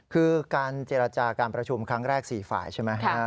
คือการเจรจาการประชุมครั้งแรก๔ฝ่ายใช่ไหม